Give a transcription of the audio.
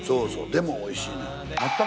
でもおいしいねん。